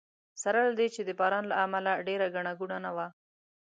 سره له دې چې د باران له امله ډېره ګڼه ګوڼه نه وه.